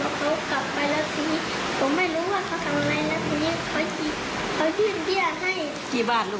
แล้วทีนี้เจ้าผมมาเอากระเป๋าแล้วทีนี้